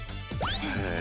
へえ。